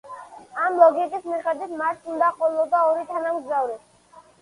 ამ ლოგიკის მიხედვით მარსს უნდა ყოლოდა ორი თანამგზავრი.